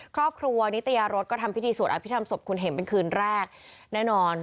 ครอบครัวนิตยารสก็ทำพิธีสวดอภิษฐรรศพคุณเห็มเป็นคืนแรกแน่นอน